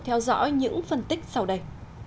tiếp tục theo dõi những phân tích sau đây